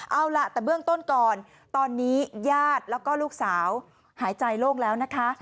เอาล่ะแต่เบื้องต้นก่อนตอนนี้ญาติแล้วก็ลูกสาวหายใจโล่งแล้วนะคะ